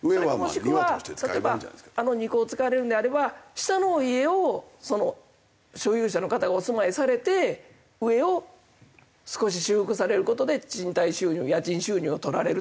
それかもしくは例えばあの２戸を使われるんであれば下の家をその所有者の方がお住まいにされて上を少し修復される事で賃貸収入家賃収入を取られるとか。